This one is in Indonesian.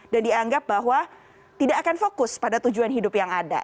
dan dianggap bahwa tidak akan fokus pada tujuan hidup yang ada